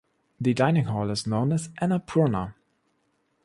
The dining hall is known as "Annapoorna".